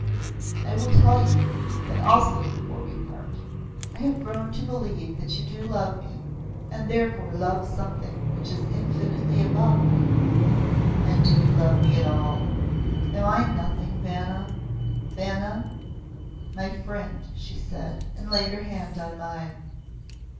"I will tell you that also before we part. I have grown to believe that you do love me and therefore love something which is infinitely above me." "And do you love me at all? Am I nothing, Vanna Vanna?" "My friend," she said, and laid her hand on mine.